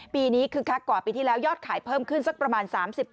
ปีนี้คึกคักกว่าปีที่แล้วยอดขายเพิ่มขึ้นสักประมาณ๓๐